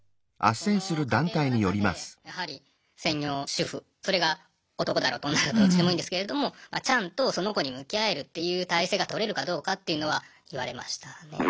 その家庭の中でやはり専業主婦それが男だろうと女だろうとどっちでもいいんですけれどもちゃんとその子に向き合えるっていう体制が取れるかどうかっていうのは言われましたね。